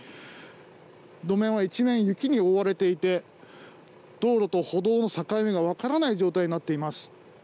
路面は一面、雪に覆われていて道路と歩道の境目が分からないような状態になっています。